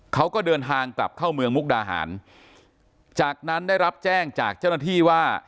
เขาก็เดินทางกลับเข้าเมืองมุกดาหารจากนั้นได้รับแจ้งจากเจ้าหน้าที่ว่า